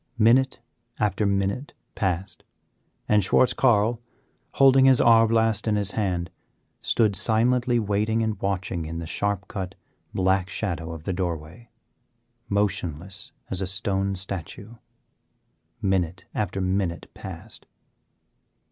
Minute after minute passed, and Schwartz Carl, holding his arbelast in his hand, stood silently waiting and watching in the sharp cut, black shadow of the doorway, motionless as a stone statue. Minute after minute passed.